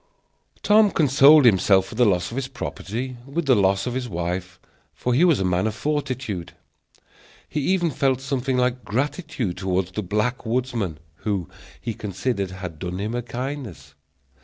Tom consoled himself for the loss of his property, with the loss of his wife, for he was a man of fortitude. He even felt something like gratitude toward the black woodsman, who, he considered, had done him a kindness.